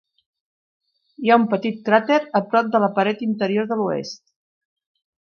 Hi ha un petit cràter a prop de la paret interior de l'oest.